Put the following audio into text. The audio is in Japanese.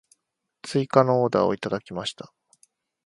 追加のオーダーをいただきました。